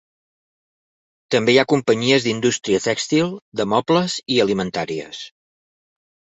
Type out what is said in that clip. També hi ha companyies d'indústria tèxtil, de mobles i alimentàries.